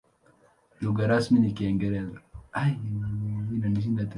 Lugha rasmi ni Kiingereza.